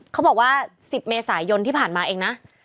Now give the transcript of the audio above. เขาบอกว่า๑๐เมษายนที่ผ่านมาเองนะ